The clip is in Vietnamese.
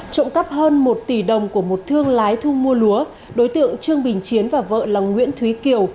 trộm cắp hơn một tỷ đồng của một thương lái thu mua lúa đối tượng trương bình chiến và vợ là nguyễn thúy kiều